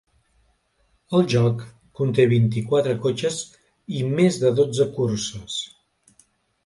El joc conté vint-i-quatre cotxes i més de dotze curses.